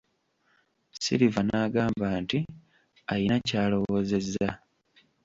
Silver n'agamba nti alina ky'alowoozezza.